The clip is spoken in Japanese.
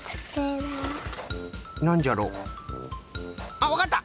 あっわかった！